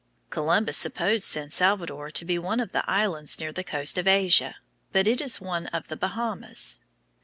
Columbus supposed San Salvador to be one of the islands near the coast of Asia, but it is one of the Bahamas.